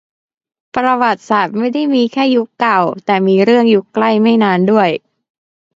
ประวัติศาสตร์ไม่ได้มีแค่ยุคเก่า แต่มีเรื่องยุคใกล้ไม่นานด้วย